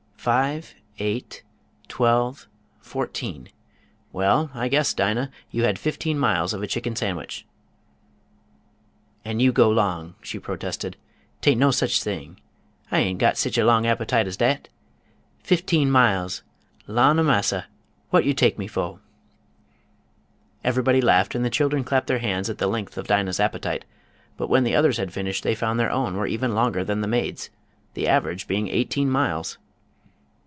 Five, eight, twelve, fourteen: well, I guess Dinah, you had fifteen miles of a chicken sandwich." "An' you go 'long!" she protested. "'Taint no sech thing. I ain't got sich a long appetite as date. Fifteen miles! Lan'a massa! whot you take me fo?" Everybody laughed and the children clapped hands at the length of Dinah's appetite, but when the others had finished they found their own were even longer than the maid's, the average being eighteen miles!